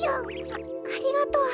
あありがとう。